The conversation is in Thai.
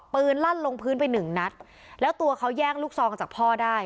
ลั่นลงพื้นไปหนึ่งนัดแล้วตัวเขาแย่งลูกซองจากพ่อได้